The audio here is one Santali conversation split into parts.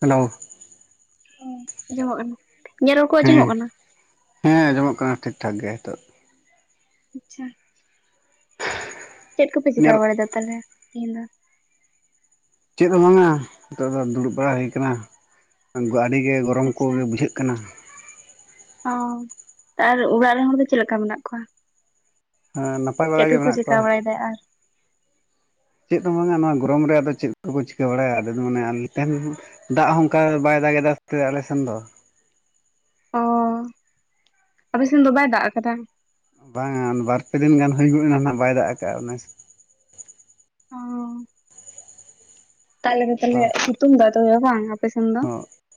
ᱦᱮᱞᱳ᱾ ᱦᱮᱸ ᱟᱸᱡᱚᱢᱚᱜ ᱠᱟᱱᱟ ᱤᱧᱟ ᱨᱚᱲ ᱠᱚ ᱦᱮᱸ ᱟᱸᱡᱚᱢᱚᱜ ᱠᱟᱱᱟ? ᱦᱮᱸ ᱟᱸᱡᱚᱢᱚᱜ ᱠᱟᱱᱟ ᱴᱷᱤᱠ ᱴᱷᱟᱠ ᱜᱮ ᱦᱮᱸᱛᱚᱜ ᱟᱪᱪᱷᱟ᱾ ᱪᱮᱫ ᱠᱚᱯᱮ ᱤᱧᱟᱹᱜ ᱪᱮᱠᱟ ᱵᱟᱲᱟᱭᱮᱫᱟ ᱛᱟᱦᱚᱞᱮ ᱛᱮᱦᱮᱧ ᱫᱚ? ᱪᱮᱫ ᱦᱚᱸ ᱵᱟᱝᱟ ᱱᱤᱛᱚᱜ ᱫᱚ ᱫᱩᱲᱩᱵ ᱵᱟᱲᱟ ᱦᱩᱭ ᱟᱠᱟᱱᱟ ᱟᱹᱰᱤ ᱜᱮ ᱜᱚᱨᱚᱢ ᱟᱪᱪᱷᱟ ᱠᱚᱜᱮ ᱵᱩᱡᱷᱟᱹᱜ ᱠᱟᱱᱟ᱾ ᱠᱟᱱᱟ ᱚ ᱟᱨ ᱚᱲᱟᱜ ᱨᱮᱱ ᱦᱚᱲ ᱫᱚ ᱪᱮᱫ ᱞᱮᱠᱟ ᱢᱮᱱᱟᱜ ᱠᱚᱣᱟ? ᱦᱮᱸ ᱱᱟᱯᱟᱭ ᱪᱮᱫ ᱵᱟᱲᱟ ᱜᱮ ᱠᱚᱠᱚ ᱢᱮᱱᱟᱜ ᱠᱚᱣᱟ ᱪᱮᱠᱟ ᱵᱟᱲᱟᱭᱮᱫᱟ ᱟᱨ ᱪᱮᱫ ᱦᱚᱸ ᱵᱟᱝᱟ ᱱᱚᱣᱟ ᱜᱚᱨᱚᱢ ᱨᱮ ᱟᱫᱚ ᱪᱮᱫ ᱠᱚᱠᱚ ᱪᱤᱠᱟᱹ ᱵᱟᱲᱟᱭᱟ ᱟᱞᱮ ᱫᱚ ᱢᱟᱱᱮ [unintelligible] ᱫᱟᱜ ᱦᱚᱸ ᱚᱱᱠᱟ ᱵᱟᱭ ᱫᱟᱜ ᱮᱫᱟ ᱥᱮ ᱟᱞᱮᱥᱱ ᱫᱚ᱾ ᱚᱻᱚ ᱟᱯᱮ ᱥᱮᱱ ᱫᱚ ᱵᱟᱭ ᱫᱟᱜ ᱠᱟᱫᱟ? ᱵᱟᱝᱟ ᱵᱟᱨᱯᱮ ᱫᱤᱱ ᱜᱟᱱ ᱦᱩᱭ ᱜᱚᱫ ᱮᱱᱟ ᱱᱟᱜ ᱵᱟᱭ ᱫᱟᱜ ᱠᱟᱜᱼᱟ, ᱚᱱᱟ ᱚᱸ᱾ ᱛᱟᱦᱚᱞᱮ ᱛᱟᱦᱚᱞᱮ ᱥᱤᱛᱩᱝ ᱮᱫᱟ ᱛᱳ ᱵᱟᱝ ᱟᱯᱮ ᱥᱮᱱ? ᱫᱚ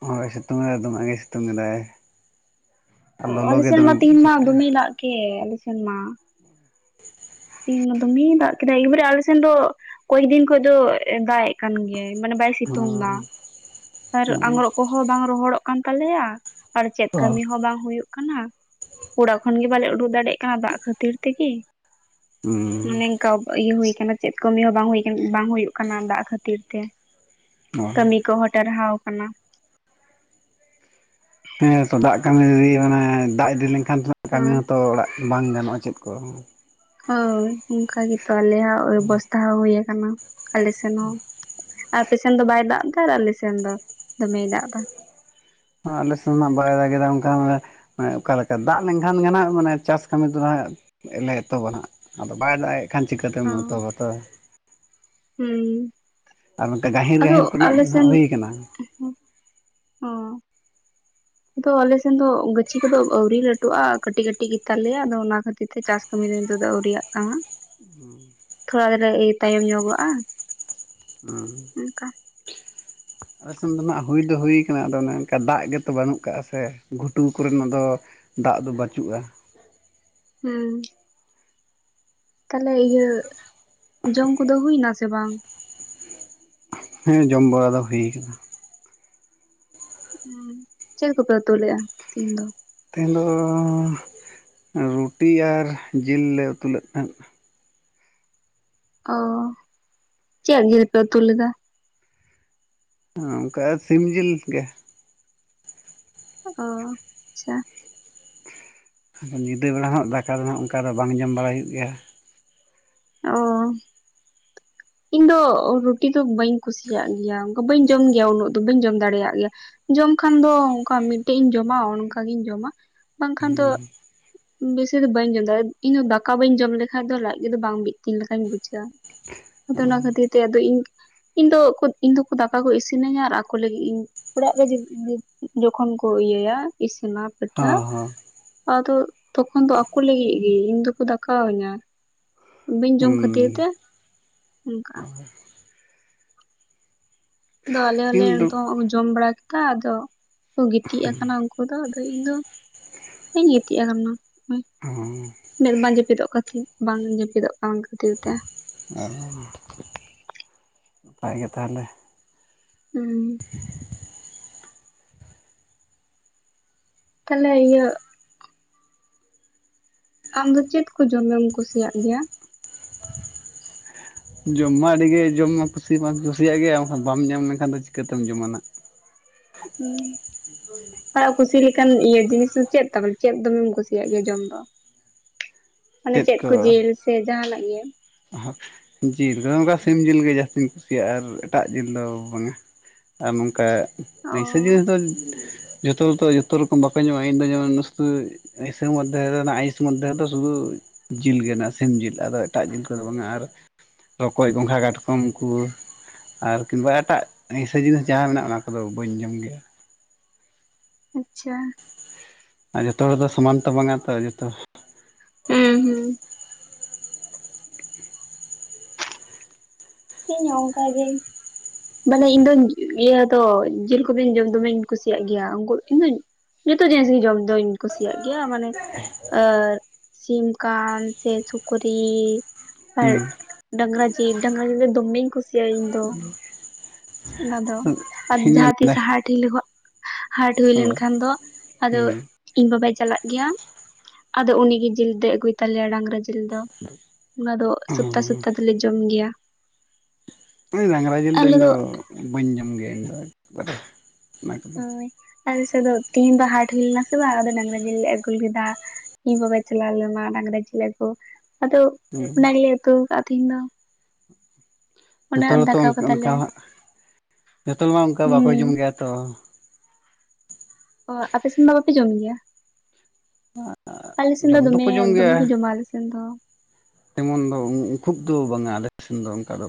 ᱦᱳᱭ ᱥᱤᱛᱩᱝ ᱮᱫᱟ ᱫᱚᱢᱮ ᱜᱮ ᱥᱤᱛᱩᱝ ᱮ ᱫᱟᱭ᱾ ᱟᱞᱤ ᱥᱮᱱᱢᱟ ᱛᱤᱦᱤᱧ ᱵᱩᱡᱷᱟᱹᱜ ᱢᱟ ᱠᱟᱱᱟ ᱫᱩᱢᱮ ᱫᱟᱜ ᱠᱮᱫ ᱟᱞᱤ ᱥᱮᱱᱢᱟ᱾ ᱛᱮᱦᱮᱧ ᱢᱟ ᱫᱚᱢᱮ ᱫᱟᱜ ᱠᱮᱫᱟ ᱮᱠ ᱵᱟᱨᱮ ᱟᱞᱮ ᱥᱮᱱ ᱫᱚ ᱠᱚᱭᱮᱠ ᱫᱤᱱ ᱠᱷᱚᱱ ᱫᱚ ᱫᱟᱜ ᱠᱟᱱ ᱜᱮᱭᱟᱭ ᱢᱟᱱᱮ ᱵᱟᱭ ᱥᱤᱛᱩᱝ ᱫᱟ᱾ ᱦᱩᱸ ᱟᱨ ᱦᱩᱸ ᱟᱝᱨᱚᱵ ᱠᱚᱦᱚᱸ ᱵᱟᱝ ᱨᱚᱦᱚᱲᱚᱜ ᱠᱟᱱ ᱛᱟᱞᱮᱭᱟ ᱟᱨ ᱪᱮᱫ ᱚ ᱠᱟᱹᱢᱤ ᱦᱚᱸ ᱵᱟᱝ ᱦᱩᱭᱩᱜ [unintelligible] ᱚᱲᱟᱜ ᱠᱷᱚᱱ ᱜᱮ ᱵᱟᱞᱮ ᱩᱰᱩᱠ ᱫᱟᱲᱮᱭᱟᱜ ᱠᱟᱱᱟ ᱫᱟᱜ ᱠᱷᱟᱹᱛᱤᱨ ᱛᱮᱜᱮ ᱦᱩᱸ [unintelligible] ᱤᱭᱟᱹ ᱦᱩᱭ ᱠᱟᱱᱟ ᱪᱮᱫ ᱠᱟᱹᱢᱤ ᱦᱚᱸ ᱵᱟᱝ ᱦᱩᱭ ᱟᱠᱟᱱᱟ ᱵᱟᱝ ᱦᱩᱭᱩᱜ ᱠᱟᱱᱟ ᱫᱟᱜ ᱠᱷᱟᱹᱛᱤᱨ ᱛᱮ ᱚ ᱠᱟᱹᱢᱤ ᱠᱚᱦᱚᱸ ᱴᱟᱨᱦᱟᱣ ᱠᱟᱱᱟ᱾ ᱦᱮᱸ ᱛᱚ ᱫᱟᱜ ᱠᱟᱹᱢᱤ ᱚᱱᱟ ᱫᱟᱜ ᱤᱫᱤ ᱞᱮᱱᱠᱷᱟᱱ [unintelligible] ᱠᱟᱹᱢᱤ ᱦᱮᱸ ᱦᱚᱸᱛᱚ ᱚᱲᱟᱜ ᱵᱟᱝ ᱜᱟᱱᱚᱜᱼᱟ ᱪᱮᱫ ᱠᱚ᱾ ᱦᱳᱭ ᱚᱱᱠᱟ ᱜᱮᱛᱚ ᱟᱞᱮᱭᱟᱜ ᱚᱵᱵᱚᱥᱛᱷᱟ ᱦᱚᱸ ᱦᱳᱭ ᱟᱠᱟᱱᱟ ᱟᱞᱮ ᱥᱮᱱ ᱦᱚᱸ? ᱟᱯᱮ ᱥᱮᱱ ᱫᱚ ᱵᱟᱭ ᱫᱟᱜ ᱮᱫᱟ ᱟᱨ ᱟᱞᱮ ᱥᱮᱱ ᱫᱚ ᱫᱚᱢᱮᱭ ᱫᱟᱜ ᱫᱟ᱾ ᱟᱞᱮ ᱥᱮᱱᱢᱟ ᱵᱟᱭ ᱫᱟᱜᱽ ᱮᱫᱟ ᱚᱱᱠᱟ [unintelligible] ᱚᱠᱟᱞᱮᱠᱟ ᱫᱟᱜ ᱞᱮᱱᱠᱷᱟᱱ ᱜᱮ ᱦᱟᱸᱜ ᱢᱟᱱᱮ ᱪᱟᱥ ᱠᱟᱹᱢᱤ ᱠᱚᱫᱚ ᱦᱟᱸ ᱱᱮ ᱞᱮ ᱮᱛᱚᱦᱚᱵᱟ ᱦᱟᱸᱜ ᱟᱫᱚ ᱵᱟᱭ ᱫᱟᱜᱮᱫ ᱠᱷᱟᱱ ᱪᱤᱠᱟᱹᱛᱮᱢ ᱚ ᱮᱛᱚᱦᱟᱵᱟ᱾ ᱦᱩᱸ᱾ ᱟᱨ ᱚᱱᱠᱟ ᱟᱫᱚ ᱜᱟᱺᱦᱤᱨ-ᱡᱟᱺᱦᱤᱨ ᱠᱷᱨᱮᱱᱟᱜ ᱟᱞᱮ ᱫᱚ ᱦᱟᱸᱜ ᱦᱩᱭᱟ ᱠᱟᱱᱟ? ᱚᱸ, ᱫᱚ ᱟᱞᱮ ᱥᱮᱱ ᱫᱚ ᱜᱟᱹᱪᱷᱤ ᱠᱚᱫᱚ ᱟᱹᱣᱨᱤ ᱞᱟᱹᱴᱩᱜᱼᱟ ᱠᱟᱹᱴᱤᱡ ᱠᱟᱹᱴᱤᱡ ᱜᱮᱛᱟᱞᱮᱭᱟ ᱟᱫᱚ ᱚᱱᱟ ᱠᱷᱟᱹᱛᱤᱨ ᱛᱮ ᱪᱟᱥ ᱠᱟᱹᱢᱤ ᱫᱚ ᱱᱤᱛᱚᱜ ᱫᱚ ᱟᱹᱣᱨᱤᱭᱟᱜ ᱠᱟᱱ᱾ [unintelligible] ᱛᱷᱚᱲᱟ [unintelligible] ᱛᱟᱭᱚᱢ ᱧᱚᱜᱚᱜᱼᱟ᱾ ᱚᱸ᱾ [unintelligible] ᱟᱞᱮ ᱥᱮᱱ ᱫᱚ ᱱᱟᱜ ᱦᱩᱭ ᱫᱚ ᱦᱩᱭ ᱠᱟᱱᱟ ᱟᱫᱚ ᱚᱱᱮ ᱚᱱᱠᱟ ᱫᱟᱜ ᱜᱮᱛᱚ ᱵᱟᱹᱱᱩᱜ ᱠᱟᱜᱼᱟ ᱥᱮ ᱜᱷᱩᱴᱩ ᱠᱚᱨᱮᱱᱟᱜ ᱫᱚ ᱫᱟᱜ ᱫᱚ ᱵᱟᱹᱪᱩᱜᱼᱟ᱾ ᱦᱩᱸ᱾ ᱛᱟᱦᱚᱞᱮ ᱤᱭᱟᱹ ᱡᱚᱢ ᱠᱚᱫᱚ ᱦᱩᱭ ᱱᱟ ᱥᱮ ᱵᱟᱝ? ᱦᱮᱸ ᱡᱚᱢ ᱵᱟᱲᱟ ᱫᱚ ᱦᱩᱭ ᱟᱠᱟᱱᱟ ᱩᱸ ᱪᱮᱞᱮ ᱠᱚᱯᱮ ᱩᱛᱩ ᱞᱮᱜᱼᱟ ᱛᱤᱦᱤᱧ ᱫᱚ? ᱛᱮᱦᱮᱧ ᱫᱚ ᱨᱩᱴᱤ ᱟᱨ ᱡᱤᱞ ᱞᱮ ᱩᱛᱩ ᱞᱮᱫ ᱛᱟᱦᱮᱸᱫ᱾ ᱚᱻᱚ ᱪᱮᱫ ᱡᱤᱞ ᱯᱮ ᱩᱛᱩ ᱞᱮᱫᱟ? ᱚᱱᱠᱟ ᱥᱤᱢ ᱡᱤᱞ ᱜᱮ᱾ ᱚ ᱟᱪᱪᱷᱟ᱾ ᱧᱤᱫᱟᱹ ᱵᱮᱲᱟ ᱦᱚᱸᱜ ᱫᱟᱠᱟ ᱫᱚᱱᱟᱜ ᱚᱱᱠᱟ ᱫᱚ ᱵᱟᱝ ᱡᱚᱢ ᱵᱟᱲᱟᱟᱭ ᱦᱩᱭᱩᱜ ᱜᱮᱭᱟ᱾ ᱚ ᱤᱧ ᱫᱚ ᱨᱩᱴᱤ ᱫᱚ ᱵᱟᱹᱧ ᱠᱩᱥᱤᱭᱟᱜ ᱜᱮᱭᱟ, ᱚᱱᱠᱟ ᱵᱟᱹᱧ ᱡᱚᱢ ᱜᱮᱭᱟ ᱩᱱᱟᱹᱜ ᱫᱚ ᱵᱟᱹᱧ ᱡᱚᱢ ᱫᱟᱲᱮᱭᱟᱜ ᱜᱮᱭᱟ᱾ ᱡᱚᱢ ᱠᱷᱟᱱ ᱫᱚ ᱚᱱᱠᱟ ᱢᱤᱫᱴᱮᱡ ᱤᱧ ᱡᱚᱢᱟ ᱚᱱᱠᱟ ᱜᱤᱧ ᱡᱚᱢᱟ ᱵᱟᱝᱠᱷᱟᱱ ᱫᱚ ᱦᱩᱭᱩᱜ ᱜᱮᱭᱟ ᱵᱮᱥᱤ ᱫᱚ ᱵᱟᱹᱧ ᱡᱚᱢ ᱫᱟᱲᱮᱜ ᱤᱧ ᱫᱚ ᱫᱟᱠᱟ ᱵᱟᱹᱧ ᱡᱚᱢ ᱞᱮᱠᱷᱟᱱᱡ ᱫᱚ ᱞᱟᱡ ᱜᱮ ᱫᱚ ᱵᱟᱝ ᱵᱤ ᱛᱤᱱ ᱞᱮᱠᱟᱧ ᱵᱩᱡᱷᱟᱹᱣᱟ ᱟᱫᱚ ᱚᱱᱟ ᱠᱷᱟᱹᱛᱤᱨ ᱛᱮ ᱟᱫᱚ ᱤᱧ ᱤᱧ ᱫᱚ ᱤᱧ ᱫᱚ ᱠᱚ ᱫᱟᱠᱟ ᱠᱚ ᱤᱥᱤᱱᱟᱹᱧᱟ ᱟᱨ ᱟᱠᱚ ᱞᱟᱹᱜᱤᱫ ᱤᱧ ᱚᱲᱟᱜ ᱨᱮ ᱡᱚᱠᱷᱚᱱ ᱠᱚ ᱤᱭᱟᱹᱭᱟ ᱤᱥᱤᱱᱟ ᱠᱟᱴᱷᱟ ᱦᱚᱸ ᱦᱚᱸ ᱟᱫᱚ ᱛᱚᱠᱷᱚᱱ ᱫᱚ ᱟᱠᱚ ᱞᱟᱹᱜᱤᱫ ᱜᱮ ᱤᱧ ᱫᱚᱠᱚ ᱫᱟᱠᱟ ᱤᱧᱟ᱾ ᱵᱟᱹᱧ ᱡᱚᱢ ᱠᱷᱟᱹᱛᱤᱨ ᱦᱩᱸ ᱛᱮ ᱚᱱᱠᱟ ᱟᱫᱚ ᱟᱞᱮ ᱦᱚᱸᱞᱮ ᱠᱤᱱᱛᱩ ᱱᱤᱛᱚᱜ ᱡᱚᱢ ᱵᱟᱲᱟ ᱠᱮᱫᱟ ᱟᱫᱚ ᱠᱚ ᱜᱤᱛᱤᱡ ᱟᱠᱟᱱᱟ ᱩᱱᱠᱩ ᱟᱫᱚ ᱤᱧ ᱫᱚ ᱵᱟᱹᱧ ᱜᱤᱛᱤᱡ ᱟᱠᱟᱱᱟ ᱚ ᱢᱮᱫ ᱵᱟᱝ ᱡᱟᱹᱯᱤᱫᱚᱜ ᱠᱟᱱ ᱛᱤᱧᱟ ᱵᱟᱝ ᱡᱟᱹᱯᱤᱫᱚᱜ ᱠᱟᱱ ᱠᱷᱟᱹᱛᱤᱨ ᱛᱮ ᱚ ᱱᱟᱯᱟᱭ ᱜᱮ ᱛᱟᱦᱚᱞᱮ ᱦᱩᱸ ᱛᱟᱦᱚᱞᱮ ᱤᱭᱟᱹ ᱟᱢ ᱫᱚ ᱪᱮᱫ ᱠᱚ ᱡᱚᱢᱮᱢ ᱠᱩᱥᱤᱭᱟᱜ ᱜᱮᱭᱟ? ᱡᱚᱢ ᱢᱟ ᱟᱹᱰᱤ ᱜᱮ ᱡᱚᱢ ᱢᱟ ᱠᱩᱥᱤ ᱢᱟᱧ ᱠᱩᱥᱤᱭᱟᱜ ᱜᱮᱭᱟ ᱠᱷᱟᱱ ᱵᱟᱢ ᱧᱟᱢ ᱞᱮᱠᱷᱟᱱ ᱫᱚ ᱪᱤᱠᱟᱹᱛᱮᱢ ᱡᱚᱢᱟ ᱱᱟᱜ ᱦᱩᱸ ᱠᱩᱥᱤ ᱞᱮᱠᱟᱱ ᱤᱭᱟᱹ ᱡᱤᱱᱤᱥ ᱫᱚ ᱪᱮᱫ ᱛᱮ ᱪᱮᱫ ᱫᱚᱢᱮᱢ ᱠᱩᱥᱤᱭᱟᱜ ᱜᱮᱭᱟ ᱡᱚᱢ ᱫᱚ ᱢᱟᱱᱮ ᱪᱮᱫ ᱠᱚ ᱡᱤᱞ ᱥᱮ ᱡᱟᱦᱟᱸᱱᱟᱜ ᱜᱮ ᱚᱦᱚᱜ ᱡᱤᱞ ᱟᱫᱚ ᱱᱚᱝᱠᱟ ᱥᱤᱢ ᱡᱤᱞ ᱜᱮ ᱡᱟᱹᱥᱛᱤᱧ ᱠᱩᱥᱤᱭᱟᱜᱼᱟ ᱟᱨ ᱮᱴᱟᱜ ᱡᱤᱞ ᱫᱚ ᱵᱟᱝᱟ᱾ ᱟᱨ ᱱᱚᱝᱠᱟ ᱚ ᱟᱹᱥᱟᱹ ᱡᱤᱱᱤᱥ ᱫᱚ ᱡᱚᱛᱚ ᱡᱚᱛᱚ ᱨᱚᱠᱚᱢ ᱵᱟᱠᱚ ᱧᱟᱢᱚᱜᱼᱟ ᱤᱧᱫᱚ ᱡᱮᱢᱚᱱ ᱱᱟᱹᱥ ᱤᱥᱤᱱ ᱢᱚᱫᱽᱫᱷᱮ ᱨᱮ ᱟᱭᱤᱥ ᱢᱚᱫᱽᱫᱷᱮ ᱨᱮᱫᱚ ᱥᱩᱫᱩ ᱡᱤᱞ ᱜᱮ ᱢᱮᱱᱟᱜᱼᱟ ᱥᱤᱢ ᱡᱤᱞ, ᱟᱫᱚ ᱮᱴᱟᱜ ᱡᱤᱞ ᱫᱚ ᱵᱟᱝᱟ ᱟᱨ ᱨᱚᱠᱚᱡ ᱜᱚᱸᱜᱷᱟ ᱠᱟᱴᱠᱚᱢ ᱠᱚ ᱟᱨ ᱠᱤᱢᱵᱟ ᱮᱴᱟᱜ ᱟᱹᱭᱥᱟᱹ ᱡᱤᱱᱤᱥ ᱡᱟᱦᱟᱸ ᱢᱮᱱᱟᱜᱼᱟ ᱚᱱᱟ ᱠᱚᱫᱚ ᱵᱟᱹᱧ ᱡᱚᱢ ᱜᱮᱭᱟ ᱟᱪᱪᱷᱟ ᱟᱨ ᱡᱚᱛᱚ ᱦᱚᱲ ᱫᱚ ᱥᱚᱢᱟᱱ ᱛᱚ ᱵᱟᱝᱟ ᱛᱚ ᱡᱚᱛᱚ ᱦᱩᱸ ᱦᱩᱸ ᱤᱧ ᱦᱚᱸ ᱚᱱᱠᱟ ᱜᱮ᱾ ᱢᱟᱱᱮ ᱤᱧ ᱫᱚᱧ ᱤᱭᱟᱹ ᱫᱚ ᱡᱤᱞ ᱠᱚᱯᱤ ᱡᱚᱢ ᱫᱚᱢᱮᱧ ᱠᱩᱥᱤᱭᱟᱜ ᱜᱮᱭᱟ, ᱩᱱᱠᱩ ᱤᱧᱫᱚ ᱡᱚᱛᱚ ᱡᱤᱱᱤᱥ ᱜᱮ ᱡᱚᱢ ᱫᱚᱧ ᱠᱩᱥᱤᱭᱟᱜ ᱜᱮᱭᱟ ᱢᱟᱱᱮ ᱟᱨ ᱥᱤᱢ ᱠᱟᱱ ᱥᱮ ᱥᱩᱠᱨᱤ ᱟᱨ ᱦᱩᱸ ᱰᱟᱝᱨᱟ ᱡᱤᱞ ᱰᱟᱝᱨᱟ ᱡᱤᱞ ᱫᱚ ᱫᱚᱢᱮᱧ ᱠᱩᱥᱤᱭᱟᱜᱼᱟ ᱤᱧ ᱫᱚ, ᱚᱱᱟ ᱫᱚ ᱟᱨ ᱤᱧ ᱢᱮᱱ ᱡᱟᱦᱟᱸ ᱛᱤᱥ ᱦᱟᱴ ᱦᱟᱴ ᱦᱩᱭ ᱞᱮᱱᱠᱷᱟᱱ ᱫᱚ ᱟᱫᱚ ᱤᱧ ᱵᱟᱵᱟᱭ ᱪᱟᱞᱟᱜ ᱜᱮᱭᱟ ᱟᱫᱚ ᱩᱱᱤ ᱜᱮ ᱡᱤᱞ ᱫᱚᱭ ᱟᱹᱜᱩᱭ ᱛᱟᱞᱮᱭᱟ ᱰᱟᱝᱨᱟ ᱡᱤᱞ ᱫᱚ ᱚᱱᱟ ᱫᱚ ᱥᱚᱯᱛᱟ ᱥᱚᱯᱛᱟ ᱫᱚᱞᱮ ᱡᱚᱢ ᱜᱮᱭᱟ᱾ ᱰᱟᱝᱨᱟ ᱡᱤᱞ ᱫᱚ ᱤᱧ ᱫᱚ ᱵᱟᱹᱧ ᱡᱚᱢ ᱜᱮᱭᱟ ᱤᱧ ᱫᱚ ᱚᱱᱟ ᱠᱚᱫᱚ ᱦᱳᱭ ᱟᱞᱮᱥᱮᱫ ᱫᱚ ᱛᱮᱦᱮᱧ ᱫᱚ ᱦᱟᱴ ᱦᱩᱭ ᱞᱮᱱᱟ ᱥᱮ ᱵᱟᱝ ᱟᱫᱚ ᱰᱟᱝᱨᱟ ᱢᱮᱞ ᱞᱮ ᱟᱹᱜᱩ ᱞᱮᱫᱟ᱾ ᱤᱧ ᱵᱟᱵᱟᱭ ᱪᱟᱞᱟᱣ ᱞᱮᱱᱟ ᱢᱟ ᱰᱟᱝᱨᱟ ᱡᱤᱞ ᱟᱜᱚ ᱟᱫᱚ ᱦᱩᱸ ᱚᱱᱟ ᱜᱮᱞᱮ ᱩᱛᱩ ᱠᱟᱜ ᱛᱟᱦᱮᱧ ᱫᱚ᱾ ᱚᱱᱟ ᱡᱚᱛᱚ ᱦᱚᱲ ᱛᱚ ᱫᱟᱠᱟ ᱚᱱᱠᱟ ᱠᱟᱫᱟᱞᱮ ᱦᱟᱜ ᱡᱚᱛᱚ ᱦᱚᱲ ᱢᱟ ᱚᱱᱠᱟ ᱵᱟᱠᱚ ᱦᱩᱸ ᱡᱚᱢ ᱜᱮᱭᱟ ᱛᱚ ᱚ ᱟᱯᱮ ᱥᱮᱱ ᱫᱚ ᱵᱟᱯᱮ ᱡᱚᱢ ᱜᱮᱭᱟ? ᱟᱞᱮ ᱥᱮᱱ ᱫᱚ ᱡᱚᱢ ᱫᱚᱠᱚ ᱫᱚᱢᱮ ᱡᱚᱢ ᱫᱚᱢᱮ ᱠᱚ ᱡᱚᱢᱟ ᱟᱞᱮ ᱥᱮᱱ ᱫᱚ ᱡᱮᱢᱚᱱ ᱫᱚ ᱠᱷᱩᱵ ᱫᱚ ᱵᱟᱝᱟ ᱟᱞᱮ ᱴᱷᱮᱱ ᱫᱚ ᱚᱱᱠᱟ ᱫᱚ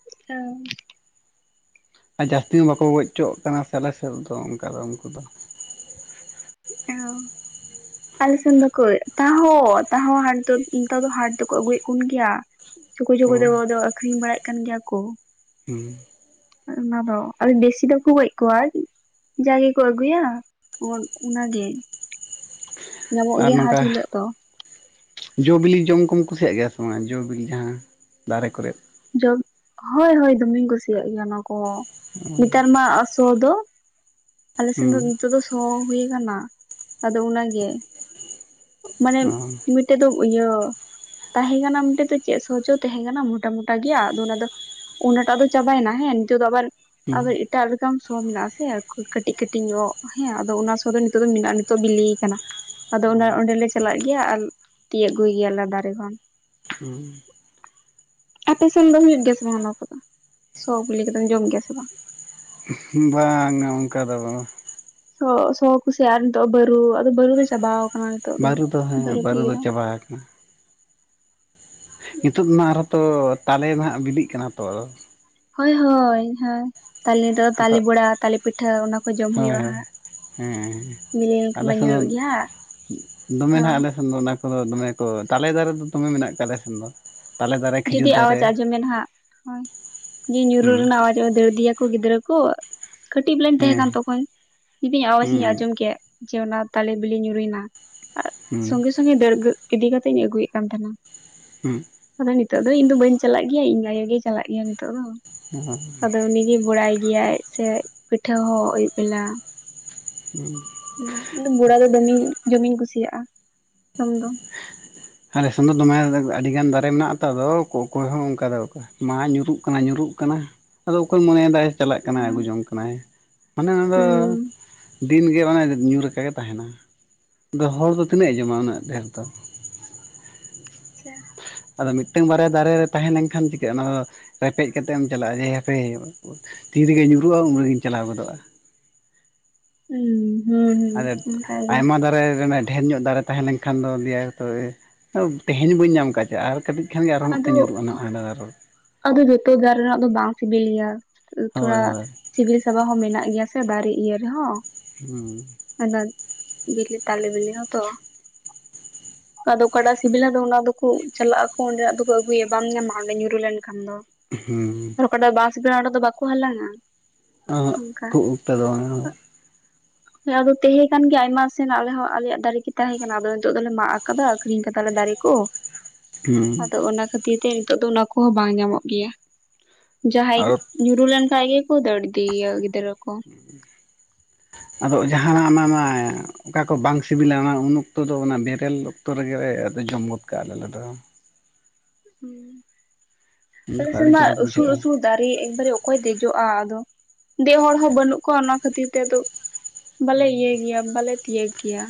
[unintelligible] ᱟᱨ ᱡᱟᱹᱥᱛᱤ ᱦᱚᱸ ᱵᱟᱠᱚ ᱜᱚᱡ ᱚᱪᱚᱣᱟᱜ ᱠᱟᱱᱟ ᱥᱮ ᱟᱞᱮ ᱥᱮᱫ ᱫᱚ ᱚᱱᱠᱟ ᱫᱚ ᱩᱱᱠᱩ ᱫᱚ ᱚ ᱟᱞᱮᱥᱱ ᱫᱚ ᱠᱟᱹᱡ ᱛᱟᱦᱚ ᱛᱟᱦᱚ ᱦᱟᱴ ᱫᱚ ᱱᱮᱛᱟᱨ ᱫᱚ ᱦᱟᱴ ᱫᱚᱠᱚ ᱟᱹᱜᱩᱭᱮᱫ ᱠᱚ ᱜᱮᱭᱟ ᱪᱩᱠᱩ ᱪᱩᱠᱩ ᱫᱚ ᱫᱚ ᱟᱠᱷᱨᱤᱧ ᱵᱟᱲᱟᱭᱮᱫ ᱠᱟᱱ ᱜᱮᱭᱟ ᱠᱚ᱾ ᱦᱮᱸ ᱚᱱᱟ ᱫᱚ ᱵᱮᱥᱤ ᱫᱚᱠᱚ ᱜᱚᱡ ᱠᱚᱣᱟ ᱡᱟᱭ ᱜᱮᱠᱚ ᱟᱹᱜᱩᱭᱟ ᱚᱱᱟᱜᱮ᱾ ᱧᱟᱢᱚᱜ ᱟᱨ ᱜᱮᱭᱟ ᱦᱟᱴ ᱱᱚᱝᱠᱟ ᱦᱤᱞᱳᱜ ᱫᱚ ᱡᱚ ᱵᱤᱞᱤ ᱡᱚᱢ ᱠᱚᱢ ᱠᱩᱥᱤᱭᱟᱜ ᱜᱮᱭᱟ ᱥᱮ ᱵᱟᱝ? ᱡᱚᱼᱵᱤᱞᱤ ᱡᱟᱦᱟᱸ ᱫᱟᱨᱮ ᱠᱚᱨᱮᱜ ᱡᱚᱢ ᱦᱳᱭ ᱦᱳᱭ ᱫᱚᱢᱮᱧ ᱠᱩᱥᱤᱭᱟᱜ ᱜᱮᱭᱟ ᱚᱱᱟ ᱠᱚᱦᱚᱸ, ᱱᱮᱛᱟᱨ ᱢᱟ ᱛᱚ ᱫᱚ, ᱟᱞᱮ ᱥᱮᱱ ᱫᱚ ᱦᱩᱸ ᱱᱤᱛᱚᱜ ᱫᱚ, ᱚ ᱦᱩᱭ ᱟᱠᱟᱱᱟ ᱟᱫᱚ ᱚᱱᱟᱜᱮ, ᱢᱟᱱᱮ ᱚ ᱢᱤᱫᱴᱮᱡ ᱫᱚ ᱤᱭᱟᱹ ᱛᱟᱦᱮᱸ ᱠᱟᱱᱟ ᱢᱤᱫᱴᱮᱡ ᱫᱚ ᱪᱮᱫ ᱥᱚᱡᱚ ᱛᱟᱦᱮᱸ ᱠᱟᱱᱟ ᱢᱚᱴᱟᱢᱚᱴᱤ ᱴᱟᱜ ᱜᱮᱭᱟ ᱟᱫᱚ ᱚᱱᱟ ᱫᱚ ᱚᱱᱟᱴᱟᱜ ᱫᱚ ᱪᱟᱵᱟᱭᱮᱱᱟ ᱦᱮᱸ ᱱᱤᱛᱚᱜ ᱫᱚ ᱟᱵᱟᱨ ᱦᱩᱸ ᱟᱵᱟᱨ ᱮᱴᱟᱜ ᱨᱚᱠᱚᱢ ᱥᱚ ᱢᱮᱱᱟᱜ ᱟᱥᱮ ᱟᱨ ᱠᱟᱹᱴᱤᱡ ᱠᱟᱹᱴᱤᱡ ᱧᱚᱜ ᱦᱮᱸ ᱟᱫᱚ ᱚᱱᱟ ᱥᱚ ᱫᱚ ᱱᱤᱛᱚᱜ ᱫᱚ ᱢᱮᱱᱟᱜᱼᱟ ᱱᱤᱛᱚᱜ ᱵᱤᱞᱮ ᱟᱠᱟᱱᱟ᱾ ᱟᱫᱚ ᱚ ᱚᱱᱟ ᱚᱸᱰᱮᱞᱮ ᱪᱟᱞᱟᱜ ᱜᱮᱭᱟ ᱟᱨ ᱛᱤᱭᱟᱹᱜ ᱟᱹᱜᱩᱭ ᱜᱮᱭᱟᱞᱮ ᱫᱟᱨᱮ ᱠᱷᱚᱱ᱾ ᱦᱩᱸ ᱟᱯᱮ ᱥᱮᱱ ᱫᱚ ᱦᱩᱭᱩᱜ ᱜᱮᱭᱟ ᱥᱮ ᱵᱟᱝ ᱚᱱᱟ ᱠᱚᱫᱚ? ᱥᱚ ᱵᱤᱞᱤ ᱠᱚᱫᱚᱢ ᱡᱚᱢ ᱜᱮᱭᱟ ᱥᱮ ᱵᱟᱝ? ᱵᱟᱝᱟ ᱚᱱᱠᱟ ᱫᱚ ᱥᱚ ᱥᱚ ᱠᱷᱚᱥᱤ ᱟᱨ ᱱᱤᱛᱚᱜ ᱵᱟᱨᱩ ᱟᱫᱚ ᱵᱟᱨᱩ ᱫᱚ ᱪᱟᱵᱟᱣ ᱠᱟᱱᱟ᱾ ᱵᱟᱹᱨᱩ ᱫᱚ ᱦᱮᱸ ᱵᱟᱹᱨᱩ ᱫᱚ ᱪᱟᱵᱟ ᱟᱠᱟᱱᱟ᱾ ᱱᱤᱛᱳᱜ ᱢᱟ ᱟᱨᱦᱚᱸ ᱛᱚ ᱛᱟᱞᱮ ᱱᱟᱦᱟᱜ ᱵᱤᱞᱤᱜ ᱠᱟᱱᱟ ᱛᱚ᱾ ᱦᱳᱭ ᱦᱳᱭ ᱦᱳᱭ ᱛᱟᱞᱮ ᱫᱚ ᱛᱟᱞᱮ ᱱᱤᱛᱚᱜ ᱵᱚᱲᱟ ᱛᱟᱞᱮ ᱯᱤᱴᱷᱟᱹ ᱚᱱᱟ ᱠᱚ ᱡᱚᱢ ᱦᱳᱭ ᱦᱩᱭᱩᱜᱼᱟ ᱦᱳᱭ ᱦᱟᱸᱜ᱾ ᱦᱮᱸ ᱵᱤᱞᱤ ᱞᱮᱱᱠᱷᱟᱱ ᱟᱞᱮ ᱢᱟ ᱥᱮᱱ ᱫᱚ ᱧᱩᱨᱩᱜ ᱜᱮᱭᱟ ᱫᱚᱢᱮ ᱦᱟᱸᱜ ᱱᱟᱦᱟᱜ ᱦᱳᱭ ᱟᱞᱮ ᱟᱞᱮ ᱥᱮᱱ ᱫᱚ ᱚᱱᱟ ᱠᱚᱫᱚ ᱫᱚᱢᱮ ᱠᱚ, ᱛᱟᱞᱮ ᱫᱟᱨᱮ ᱫᱚ ᱫᱚᱢᱮ ᱢᱮᱱᱟᱜ ᱟᱠᱟᱫ ᱟᱞᱮ ᱥᱮᱱ ᱫᱚ᱾ ᱛᱟᱞᱮ ᱫᱟᱨᱮ ᱡᱩᱫᱤ ᱠᱷᱤᱡᱩᱨ ᱟᱣᱟᱡ ᱫᱟᱨᱮ ᱟᱸᱡᱚᱢᱮ ᱱᱟᱦᱟᱜ, ᱦᱳᱭ ᱡᱮ ᱧᱩᱨᱩᱨᱩ ᱦᱩᱸ ᱨᱮᱱᱟᱜ ᱟᱣᱟᱡ᱾ ᱫᱟᱹᱲ ᱫᱤᱭᱟᱠᱚ ᱜᱤᱫᱽᱨᱟᱹ ᱠᱚ, ᱠᱟᱹᱴᱤᱡ ᱵᱮᱞᱟᱧ ᱛᱟᱦᱮᱸ ᱦᱮᱸ ᱠᱟᱱ ᱛᱚᱠᱷᱚᱱ ᱡᱩᱫᱤ ᱟᱣᱟᱡ ᱤᱧ ᱦᱩᱸ ᱟᱸᱡᱚᱢ ᱠᱮᱫ᱾ ᱡᱮ ᱚᱱᱟ ᱛᱟᱞᱮ ᱵᱤᱞᱤ ᱧᱩᱨᱩᱭᱱᱟ ᱟᱨ ᱦᱩᱸ ᱥᱚᱸᱜᱮ ᱥᱚᱸᱜᱮ ᱫᱟᱹᱲ ᱤᱫᱤ ᱠᱟᱛᱮᱜ ᱤᱧ ᱳᱞ ᱟᱹᱜᱩᱭᱮᱫ ᱠᱟᱱ ᱛᱟᱦᱮᱱᱟ᱾ ᱦᱩᱸ ᱟᱫᱚ ᱱᱤᱛᱚᱜ ᱫᱚ ᱤᱧ ᱫᱚ ᱵᱟᱹᱧ ᱪᱟᱞᱟᱜ ᱜᱮᱭᱟ, ᱤᱧ ᱟᱭᱳ ᱜᱮ ᱪᱟᱞᱟᱜ ᱜᱮᱭᱟ ᱱᱤᱛᱚᱜ ᱫᱚ᱾ ᱚ ᱟᱫᱚ ᱩᱱᱤ ᱜᱮᱭ ᱵᱟᱲᱟᱭ ᱜᱮᱭᱟᱭ ᱥᱮ ᱯᱤᱴᱷᱟᱹ ᱦᱚᱸ ᱟᱹᱭᱩᱵ ᱵᱮᱞᱟ ᱦᱩᱸ ᱤᱧᱫᱚ ᱵᱚᱲᱟ ᱫᱚ ᱫᱚᱢᱤᱧ ᱡᱚᱢᱤᱧ ᱠᱩᱥᱤᱭᱟᱜᱼᱟ᱾ ᱡᱚᱢ ᱫᱚ ᱟᱞᱮᱥᱚᱱ ᱫᱚ ᱫᱚᱢᱮ ᱟᱹᱰᱤᱜᱟᱱ ᱫᱟᱨᱮ ᱢᱮᱱᱟᱜ ᱟᱛᱚ ᱟᱫᱚ ᱚᱠᱚᱭ ᱦᱚᱸ ᱚᱱᱠᱟ ᱫᱚ ᱚᱠᱟ᱾ ᱢᱟ ᱧᱩᱨᱩᱜ ᱠᱟᱱᱟ ᱧᱩᱨᱩᱜ ᱠᱟᱱᱟ, ᱟᱫᱚ ᱚᱠᱚᱭ ᱢᱚᱱᱮᱭ ᱮᱫᱟᱭ, ᱪᱟᱞᱟᱜ ᱠᱟᱱᱟᱭ ᱟᱹᱜᱩ ᱟᱪᱪᱷᱟ ᱡᱚᱝ ᱠᱟᱱᱟᱭ ᱢᱟᱱᱮ ᱚᱱᱟ ᱫᱚ ᱫᱤᱱᱜᱮ ᱚᱱᱮ ᱧᱩᱨ ᱟᱠᱟ ᱛᱟᱦᱮᱱᱟ, ᱟᱫᱚ ᱦᱚᱲ ᱫᱚ ᱛᱤᱱᱟᱹᱜ ᱮ ᱡᱚᱢᱟ ᱩᱱᱟᱹᱜ ᱰᱷᱮᱨ ᱫᱚ᱾ ᱟᱪᱪᱷᱟ ᱟᱫᱚ ᱢᱤᱫᱴᱟᱝ ᱵᱟᱨᱭᱟ ᱫᱟᱨᱮ ᱨᱮ ᱛᱟᱦᱮᱸ ᱞᱮᱱᱠᱷᱟᱱ ᱪᱤᱠᱟᱹᱜᱼᱟ? ᱚᱱᱟ ᱨᱮᱯᱮᱡ ᱠᱟᱛᱮ ᱮᱢ ᱪᱟᱞᱟᱜᱼᱟ ᱡᱮ ᱦᱟᱯᱮ ᱛᱤ ᱨᱮᱜᱮ ᱧᱩᱨᱩᱜᱼᱟ ᱩᱱ ᱨᱮᱜᱤᱧ ᱪᱟᱞᱟᱣ ᱜᱚᱫᱚᱜᱼᱟ᱾ ᱦᱩᱸ ᱦᱩᱸ ᱦᱩᱸ ᱟᱫᱚ ᱚᱱᱠᱟᱜᱮ ᱟᱭᱢᱟ ᱫᱟᱨᱮ ᱮᱱᱮ ᱰᱷᱮᱨ ᱧᱚᱜ ᱫᱟᱨᱮ ᱛᱟᱦᱮᱸ ᱞᱮᱱᱠᱷᱟᱱ ᱫᱚ ᱞᱟ. ᱭᱟᱭ ᱛᱚᱵᱮ ᱛᱮᱦᱮᱧ ᱵᱟᱹᱧ ᱧᱟᱢ ᱟᱠᱟᱫ ᱪᱮᱫ ᱟᱨ ᱠᱟᱹᱴᱤᱡ, ᱮᱱᱠᱷᱟᱱ ᱜᱮ ᱟᱨᱦᱚ ᱟᱫᱚ ᱢᱤᱫᱴᱟᱝ ᱧᱩᱨᱩᱜᱼᱟ ᱱᱟ ᱦᱟᱸᱰᱮ ᱟᱨᱚ᱾ ᱟᱫᱚ ᱡᱚᱛᱚ ᱫᱟᱨ ᱨᱮᱱᱟᱜ ᱫᱚ ᱵᱟᱝ ᱥᱤᱵᱤᱞ ᱜᱮᱭᱟ᱾ ᱦᱳᱭ ᱛᱷᱚᱲᱟ ᱦᱳᱭ ᱥᱤᱵᱤᱞ ᱥᱟᱵᱟ ᱦᱚᱸ ᱢᱮᱱᱟᱜ ᱜᱮᱭᱟ ᱥᱮ ᱫᱟᱨᱮ ᱤᱭᱟᱹ ᱨᱮᱦᱚᱸ᱾ ᱦᱩᱸ ᱚᱱᱟ ᱵᱤᱞᱤ ᱛᱟᱞᱮ ᱵᱤᱞᱤ ᱦᱚᱸᱛᱚ᱾ ᱟᱫᱚ ᱚᱠᱟᱴᱟᱜ ᱥᱤᱵᱤᱞᱟ ᱫᱚ ᱚᱱᱟ ᱫᱚᱠᱚ ᱪᱟᱞᱟᱜ ᱯᱷᱳᱱ ᱨᱮᱭᱟᱜ ᱫᱚᱠᱩ ᱟᱹᱜᱩᱭᱟ ᱵᱟᱢ ᱧᱟᱢᱟ ᱚᱸᱰᱮ ᱧᱩᱨᱩ ᱞᱮᱱ ᱠᱷᱟᱱ ᱫᱚ᱾ ᱦᱮᱸ ᱟᱨ ᱚᱠᱟᱴᱟᱜ ᱵᱟᱥ ᱵᱮᱲᱟ ᱚᱰᱮ ᱫᱚ ᱵᱟᱠᱚ ᱦᱟᱞᱟᱝᱟ᱾ ᱚᱸ ᱚᱱᱠᱟ ᱠᱷᱩᱵ ᱮᱠᱴᱟ ᱫᱚ ᱵᱟᱝ [inaudible] ᱦᱮᱸ ᱟᱫᱚ ᱛᱟᱦᱮᱸ ᱠᱟᱱᱟᱱ ᱜᱮ ᱟᱭᱢᱟ ᱥᱮᱱ ᱟᱞᱮ ᱦᱚᱸ ᱟᱞᱮᱭᱟᱜ ᱫᱟᱨᱮ ᱜᱮ ᱛᱟᱦᱮᱸ ᱠᱟᱱᱟ, ᱟᱫᱚ ᱱᱤᱛᱚᱜ ᱫᱚᱞᱮ ᱢᱟᱜ ᱟᱠᱟᱫᱟ ᱟᱠᱷᱨᱤᱧ ᱠᱟᱫᱟᱞᱮ ᱫᱟᱨᱮ ᱠᱚ᱾ ᱦᱩᱸ ᱟᱫᱚ ᱚᱱᱟ ᱠᱷᱟᱹᱛᱤᱨ ᱛᱮ ᱱᱤᱛᱚᱜ ᱫᱚ ᱚᱱᱟ ᱠᱚᱦᱚᱸ ᱵᱟᱝ ᱧᱟᱢᱚᱜ ᱜᱮᱭᱟ ᱡᱟᱦᱟᱸᱭ ᱟᱫᱚ ᱧᱩᱨᱩ ᱞᱮᱱ ᱠᱷᱟᱡ ᱜᱮᱠᱚ ᱫᱟᱹᱲ ᱤᱫᱤᱭᱤᱭᱟ ᱜᱤᱫᱽᱨᱟᱹ ᱠᱚ ᱟᱫᱚ ᱡᱟᱦᱟᱱᱟᱜ ᱚᱱᱟ ᱢᱟ ᱚᱠᱟ ᱠᱚ ᱵᱟᱝ ᱥᱤᱵᱤᱞᱟ ᱚᱱᱟ ᱩᱱ ᱚᱠᱛᱚ ᱫᱚ ᱚᱱᱟ ᱵᱮᱨᱮᱞ ᱚᱠᱛᱚ ᱨᱮᱜᱮᱞᱮ ᱡᱚᱢ ᱜᱚᱫ ᱠᱟᱜᱼᱟ ᱟᱞᱮᱞᱮᱚ ᱟᱞᱮ ᱡᱚᱠᱷᱚᱱ ᱥᱮᱱ ᱟᱹᱰᱤ ᱢᱟ ᱪᱚᱨᱚᱠ ᱩᱥᱩᱞ ᱵᱩᱡᱷᱟᱹᱜᱼᱟ ᱩᱥᱩᱞ ᱫᱟᱨᱮ ᱮᱠ ᱵᱟᱨᱮ ᱚᱠᱚᱭ ᱫᱮᱡᱚᱜᱼᱟ ᱟᱫᱚ ᱫᱮᱡ ᱦᱚᱲ ᱦᱚᱸ ᱵᱟᱹᱱᱩᱜ ᱠᱚᱣᱟ ᱚᱱᱟ ᱠᱷᱟᱹᱛᱤᱨ ᱛᱮ ᱟᱫᱚ ᱵᱟᱞᱮ ᱤᱭᱟᱹᱭ ᱜᱮᱭᱟ ᱵᱟᱞᱮ ᱛᱤᱭᱟᱹᱜ ᱜᱮᱭᱟ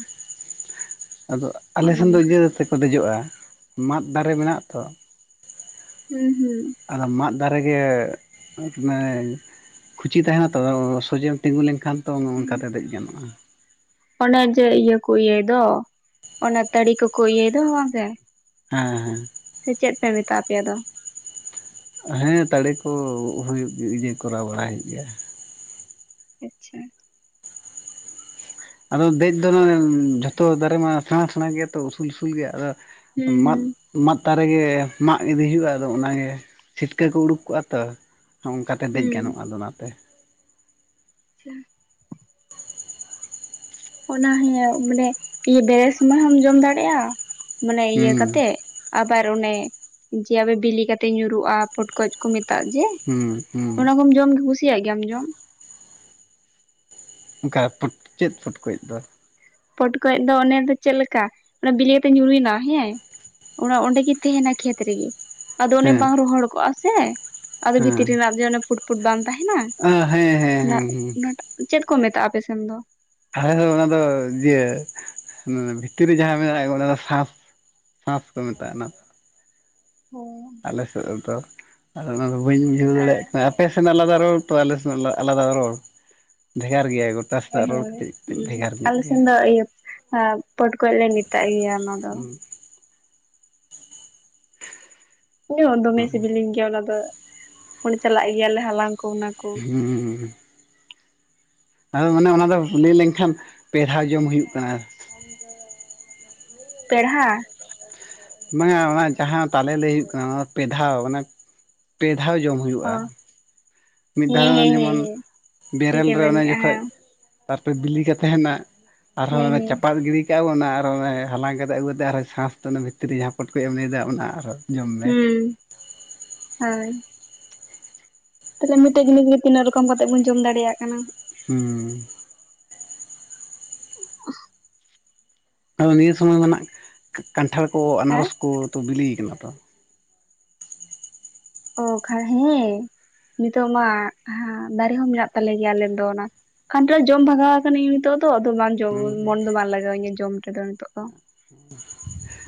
ᱟᱫᱚ ᱟᱞᱮ ᱱᱚᱜᱼᱚ ᱥᱮᱱ ᱫᱚ ᱱᱚᱝᱠᱟ ᱤᱭᱟᱹ ᱛᱮᱠᱚ ᱫᱮᱡᱚᱜᱼᱟ ᱢᱟᱫ ᱫᱟᱨᱮ ᱢᱮᱱᱟᱜᱼᱟ ᱛᱚ ᱦᱩᱸ ᱦᱩᱸ ᱟ ᱢᱟᱫ ᱫᱟᱨᱮ ᱜᱮ ᱠᱷᱩᱪᱤ ᱛᱟᱦᱮᱱᱟ ᱛᱚᱵ ᱥᱚᱡᱮᱢ ᱛᱤᱸᱜᱩ ᱞᱮᱱᱠᱷᱟᱱ ᱛᱚ ᱚᱱᱠᱟ ᱦᱮᱸ ᱫᱮᱡ ᱜᱟᱱᱚᱜᱼᱟ ᱚᱱᱮ ᱡᱮ ᱤᱭᱟᱹ ᱠᱚ ᱤᱭᱟᱹᱭ ᱫᱚ ᱚᱱᱮ ᱛᱟᱹᱲᱤ ᱠᱚᱠᱚ ᱤᱭᱟᱹᱭ ᱫᱚ ᱵᱟᱝ ᱥᱮ ᱮᱸ ᱥᱮ ᱪᱮᱫ ᱯᱮ ᱢᱮᱛᱟᱣ ᱟᱯᱮᱭᱟᱫᱚ ᱦᱮᱸ ᱛᱟᱲᱤ ᱠᱚ ᱦᱩᱭᱩᱜ ᱜᱮ ᱤᱭᱟᱹ ᱠᱚᱨᱟᱣ ᱵᱟᱲᱟᱭ ᱦᱩᱭᱩᱜ ᱜᱮᱭᱟ ᱟᱪᱪᱷᱟ ᱟᱫᱚ ᱫᱮᱡ ᱫᱚ ᱡᱷᱚᱛᱚ ᱫᱟᱨᱮ ᱢᱟ ᱥᱮᱬᱟ ᱥᱮᱬᱟ ᱜᱮᱭᱟ ᱛᱚ ᱩᱥᱩᱞ ᱩᱥᱩᱞ ᱜᱮᱭᱟ ᱟᱫᱚ ᱦᱩᱸ ᱢᱟᱫ ᱦᱩᱸ ᱢᱟᱫ ᱫᱟᱨᱮ ᱜᱮ ᱢᱟᱜ ᱤᱫᱤ ᱦᱩᱭᱩᱜᱼᱟ ᱟᱫᱚ ᱚᱱᱟ ᱜᱮ ᱪᱷᱤᱴᱠᱟᱹ ᱠᱚ ᱩᱰᱩᱠ ᱠᱚᱜᱼᱟ ᱛᱚ ᱦᱟᱸᱜ ᱚᱱᱠᱟ ᱛᱮ ᱫᱮᱡ ᱜᱟᱱᱚᱜᱼᱟ ᱦᱩᱸ ᱟᱫᱚ ᱚᱱᱟ ᱛᱮ [unintelligible] ᱚᱱᱟ ᱦᱤᱭᱟᱹ ᱢᱟᱱᱮ ᱵᱮᱨᱮ ᱥᱚᱢᱚᱭ ᱦᱚᱢ ᱡᱚᱢ ᱫᱟᱲᱮᱭᱟᱜᱼᱟ ᱢᱟᱱᱮ ᱤᱭᱟᱹ ᱦᱩᱸ ᱠᱟᱛᱮᱜ ᱟᱵᱟᱨ ᱚᱱᱮ ᱡᱮ ᱟᱵᱮ ᱵᱤᱞᱤ ᱠᱟᱛᱮᱜ ᱧᱩᱨᱩᱜᱼᱟ ᱯᱚᱴᱠᱚᱡ ᱠᱚ ᱢᱮᱛᱟᱜ ᱡᱮ ᱦᱩᱸ ᱦᱩᱸ ᱚᱱᱟ ᱠᱚᱢ ᱡᱚᱢ ᱠᱩᱥᱤᱭᱟᱜ ᱜᱮᱭᱟᱢ ᱡᱚᱢ ᱚᱱᱠᱟ ᱪᱮᱫ ᱯᱩᱴᱠᱩᱡ ᱫᱚ ᱯᱚᱴᱠᱚᱡ ᱫᱚ ᱚᱱᱮ ᱫᱚ ᱪᱮᱫ ᱞᱮᱠᱟ ᱵᱤᱞᱤ ᱠᱟᱛᱮ ᱧᱩᱨᱩᱭᱱᱟ ᱦᱮᱸ ᱚᱱᱟᱜ ᱚᱸᱰᱮᱜᱤ ᱛᱟᱦᱮᱱᱟ ᱠᱷᱮᱛ ᱨᱮᱜᱮ ᱟᱫᱚ ᱚᱱᱮ ᱦᱮᱸ ᱵᱟᱝ ᱨᱚᱦᱚᱲ ᱠᱚᱜᱼᱟ ᱥᱮ ᱟᱫᱚ ᱵᱷᱤᱛᱤᱨ ᱦᱮᱸ ᱨᱮᱱᱟᱜ ᱡᱮ ᱚᱱᱮ ᱯᱷᱩᱴ ᱯᱷᱩᱴ ᱵᱟᱝ ᱛᱟᱦᱮᱸᱱᱟ ᱦᱮᱸ ᱦᱮᱸ ᱦᱮᱸ ᱦᱮᱸ ᱪᱮᱫ ᱠᱚ ᱢᱮᱛᱟᱜᱼᱟ ᱟᱯᱮ ᱥᱮᱱ ᱫᱚ ᱟᱞᱮ ᱫᱚ ᱚᱱᱟ ᱫᱚ ᱤᱭᱟᱹ ᱵᱷᱤᱛᱨᱤ ᱨᱮ ᱡᱟᱦᱟᱸ ᱢᱮᱱᱟᱜ ᱠᱚ ᱚᱱᱟ ᱫᱚ ᱥᱟᱥ ᱥᱟᱸᱥ ᱠᱚ ᱢᱮᱛᱟᱜᱱᱟ ᱦᱚ ᱟᱞᱮᱥᱮᱫ ᱨᱮᱫᱚ ᱟᱫᱚ ᱚᱱᱟᱫᱚ ᱵᱟᱹᱧ ᱵᱩᱡᱷᱟᱹᱣ ᱫᱟᱲᱮᱭᱟᱜ ᱠᱟᱱᱟ ᱟᱯᱮ ᱥᱮᱱᱟᱜ ᱟᱞᱟᱫᱟ ᱨᱚᱲ ᱟᱞᱮ ᱥᱮᱱᱟᱜ ᱟᱞᱟᱫᱟ ᱨᱚᱲ ᱵᱷᱮᱜᱟᱨ ᱜᱮᱭᱟ ᱜᱚᱴᱟ ᱥᱮᱱᱟᱜ ᱦᱳᱭ ᱨᱚᱲ ᱠᱟᱹᱴᱤᱡ ᱠᱟᱹᱴᱤᱡ ᱦᱳᱭ ᱵᱷᱮᱜᱟᱨ ᱧᱚᱜ ᱟᱞᱮ ᱜᱮᱭᱟ ᱥᱮᱱ ᱫᱚ ᱤᱭᱟᱹ ᱯᱚᱴ ᱠᱚᱡ ᱞᱮ ᱢᱮᱛᱟᱜ ᱜᱮᱭᱟ ᱚᱱᱟ ᱫᱚ ᱦᱩᱸ [inaudible] ᱦ ᱫᱚᱢᱮ ᱥᱤᱵᱤᱞᱤᱧ ᱜᱮᱭᱟ ᱚᱱᱟ ᱫᱚ ᱚᱸᱰᱮ ᱪᱟᱞᱟᱜ ᱜᱮᱭᱟᱞᱮ ᱦᱟᱞᱟᱝ ᱠᱚ ᱚᱱᱟ ᱠᱚ ᱦᱩᱸ ᱟᱫᱚ ᱢᱟᱱᱮ ᱚᱱᱟ ᱫᱚ ᱞᱟᱹᱭ ᱞᱮᱱᱠᱷᱟᱱ ᱯᱮᱦᱟᱣ ᱡᱚᱢ ᱦᱩᱭᱩᱜ ᱠᱟᱱᱟ ᱯᱮᱲᱦᱟ ᱵᱟᱝᱟ ᱚᱱᱟ ᱡᱟᱦᱟᱸ ᱛᱟᱞᱮ ᱞᱟᱹᱭ ᱦᱩᱭᱩᱜ ᱠᱟᱱᱟ ᱚᱱᱟ ᱯᱮ ᱫᱷᱟᱣ ᱢᱟᱱᱮ ᱯᱮ ᱫᱷᱟᱣ ᱡᱚᱢ ᱚ ᱦᱩᱭᱩᱜᱼᱟ ᱢᱤᱫ ᱫᱷᱟᱣ ᱦᱮᱸ ᱦᱮᱸ ᱦᱮᱸ ᱡᱮᱢᱚᱱ ᱦᱮᱸ ᱵᱮᱨᱮᱞ ᱴᱷᱤᱠᱮ ᱨᱮ ᱢᱮᱱ ᱚᱱᱮ ᱡᱚᱠᱷᱚᱱ ᱠᱟᱜᱼᱟ ᱛᱟᱨᱯᱚᱨᱮ ᱵᱤᱞᱤᱠᱟ ᱛᱟᱦᱮᱱᱟ ᱦᱮᱸ ᱟᱨᱦᱚᱸ ᱦᱮᱸ ᱪᱟᱯᱟᱫ ᱜᱤᱰᱤᱤ ᱪᱤᱠᱟᱹ ᱵᱚᱱᱟ ᱟᱨᱚ ᱚᱱᱮ ᱦᱟᱞᱟᱝ ᱠᱟᱛᱮᱫ ᱟᱹᱜᱩ ᱠᱟᱛᱮ ᱟᱨᱚᱸ ᱥᱟᱥ ᱫᱚ ᱚᱱᱟ ᱵᱷᱤᱛᱨᱤ ᱨᱮ ᱯᱚᱴᱠᱚᱡ ᱮᱢ ᱞᱟᱹᱭ ᱮᱫᱟ ᱚᱱᱟ ᱟᱨ ᱦᱚᱸ ᱦᱮᱸ ᱦᱳᱭ ᱛᱟᱦᱚᱞᱮ ᱢᱤᱫᱴᱮᱡ ᱡᱤᱱᱤᱥ ᱜᱮ ᱛᱤᱱᱟᱹᱜ ᱨᱚᱠᱚᱢ ᱠᱟᱛᱮᱜ ᱵᱚᱱ ᱡᱚᱢ ᱫᱟᱲᱮᱭᱟᱜ ᱠᱟᱱᱟ ᱦᱩᱸ ᱩᱸᱜ ᱟᱫᱚ ᱱᱤᱭᱟᱹ ᱥᱚᱢᱚᱭ ᱢᱟᱱᱟᱜ ᱠᱟᱱᱴᱷᱟᱲ ᱠᱚ ᱦᱮᱸ ᱟᱱᱟᱨᱚᱥ ᱠᱚ ᱛᱚ ᱵᱤᱞᱤᱭ ᱠᱟᱱᱟ ᱛᱚ ᱚ ᱠᱷᱟᱨ ᱦᱮᱸ ᱱᱤᱛᱚᱜ ᱢᱟ ᱫᱟᱨᱮ ᱦᱚᱸ ᱢᱮᱱᱟᱜ ᱛᱟᱞᱮ ᱜᱮᱭᱟ ᱟᱞᱮ ᱫᱚ ᱚᱱᱟ ᱠᱟᱱᱴᱷᱟᱲ ᱡᱚᱢ ᱵᱷᱟᱜᱟᱣ ᱟᱠᱟᱱᱟᱧ ᱱᱤᱛᱚᱜ ᱫᱚ ᱟᱫᱚ ᱵᱟᱝ ᱡᱚᱢ ᱦᱩᱸ ᱢᱚᱱ ᱫᱚ ᱵᱟᱝ ᱞᱟᱜᱟᱣ ᱤᱧᱟᱹ ᱡᱚᱢ ᱛᱮᱫ ᱱᱤᱛᱚᱜ ᱫᱚ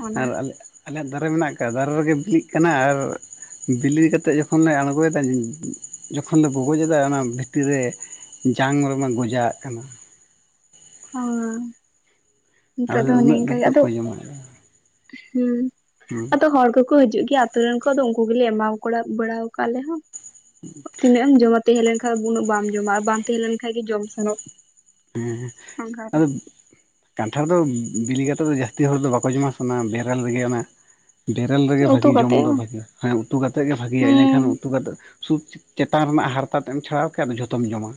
ᱚᱱᱟ ᱟᱨ ᱟᱞᱮ ᱟᱞᱮᱭᱟᱜ ᱫᱟᱨᱮ ᱢᱮᱱᱟᱜ ᱟᱠᱟᱫ ᱫᱟᱨᱮ ᱨᱮᱜᱮ ᱵᱤᱞᱤᱜ ᱠᱟᱱᱟ ᱟᱨ ᱵᱤᱞᱤ ᱠᱟᱛᱮᱫ ᱡᱚᱠᱷᱚᱱ ᱞᱮ ᱟᱬᱜᱚᱭᱮᱫᱟ ᱡᱚᱠᱷᱚᱱ ᱞᱮ ᱵᱩᱜᱚᱡᱟ ᱚᱱᱟ ᱵᱷᱤᱛᱤᱨ ᱨᱮ ᱡᱟᱝ ᱢᱮᱚᱢᱮ ᱜᱚᱡᱟᱣᱟᱜ ᱠᱟᱱᱟ ᱚ ᱟᱫᱚ ᱱᱤᱛᱚᱜ ᱫᱚ ᱦᱚᱱᱮ ᱩᱱᱟᱹᱜ ᱤᱱᱠ ᱰᱷᱮᱨ ᱜᱮ ᱫᱚ ᱟᱫᱚ ᱚᱠᱚᱭ ᱡᱚᱢᱟ ᱦᱮᱸ [inaudible] ᱟᱫᱚ ᱦᱚᱲ ᱠᱚᱠᱚ ᱦᱤᱡᱩᱜ ᱜᱮᱭᱟ ᱟᱛ ᱨᱮᱱ ᱠᱚᱫᱚ ᱩᱱᱠᱩ ᱜᱮᱞᱮ ᱮᱢᱟ ᱠᱚᱲᱟ ᱵᱟᱲᱟ ᱟᱠᱟᱫ ᱟᱞᱮ ᱦᱚᱸ [inaudible] ᱛᱤᱱᱟᱹᱜ ᱮᱢ ᱡᱚᱢᱟ ᱛᱟᱦᱮᱸ ᱞᱮᱱ ᱠᱷᱟᱱ ᱫᱚ ᱩᱱᱟᱹᱜ ᱵᱟᱢ ᱡᱚᱢᱟ ᱟᱨ ᱵᱟᱝ ᱛᱟᱦᱮᱸ ᱞᱮᱱᱠᱷᱟᱱᱡ ᱜᱮ ᱡᱚᱢ ᱥᱟᱱᱟᱜ-ᱟ ᱦᱮᱸ ᱟᱫᱚ ᱠᱟᱱᱴᱷᱟᱲ ᱫᱚ ᱵᱤᱞᱤ ᱠᱟᱛᱮᱫ ᱫᱚ ᱡᱟᱹᱥᱛᱤ ᱦᱚᱲ ᱫᱚ ᱵᱟᱠᱚ ᱡᱚᱢᱟ ᱚᱱᱟ ᱵᱮᱨᱮᱞ ᱨᱮᱜᱮ ᱚᱱᱟ ᱵᱮᱨᱮᱞ ᱨᱮᱜᱮ ᱩᱛᱩ ᱵᱷᱟᱜᱤ ᱡᱚᱢ ᱠᱟᱛᱮ ᱫᱚ ᱦᱚᱸ ᱵᱷᱟᱜᱮ ᱦᱮᱸ ᱩᱛᱩ ᱠᱟᱛᱮᱮᱫ ᱜᱮ ᱵᱷᱟᱜᱮᱤᱭᱟ ᱦᱩᱸ ᱤᱱᱟᱹᱠᱷᱟᱱ ᱩᱛᱩ ᱠᱟᱛᱮᱮᱫ ᱥᱩᱫ ᱪᱮᱛᱟᱱ ᱨᱮᱱᱟᱜ ᱦᱟᱨᱛᱟᱛᱮᱫ ᱪᱷᱟᱲᱟᱣ ᱠᱮᱫᱟ ᱟᱫᱚ ᱡᱷᱚᱛᱚᱢ ᱡᱚᱢᱟ